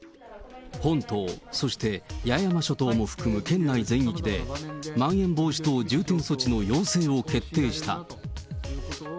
本島、そして八重山諸島も含む県内全域で、まん延防止等重点措置の要請を決定した。